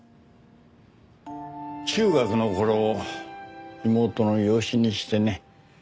中学の頃妹の養子にしてね。